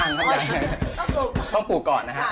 ยังละต้องปลูกก่อนนะฮะ